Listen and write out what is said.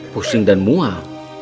pusing dan mual